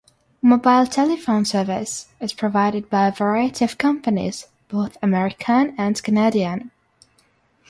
Mobile telephone service is provided by a variety of companies, both American and Canadian.